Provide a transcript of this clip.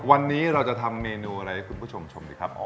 วันนี้เราจะทำเมนูอะไรให้คุณผู้ชมชมดีครับ